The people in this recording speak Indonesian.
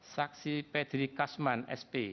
saksi pedri kasman sp